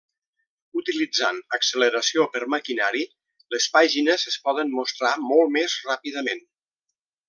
Utilitzant acceleració per maquinari, les pàgines es poden mostrar molt més ràpidament.